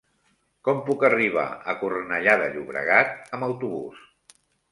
Com puc arribar a Cornellà de Llobregat amb autobús?